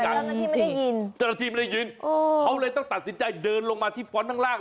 เขาเลยต้องตัดสินใจเดินลงมาที่ฟ้อนด้านล่าง